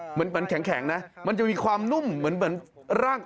เหมือนแข็งนะมันจะมีความนุ่มเหมือนร่าง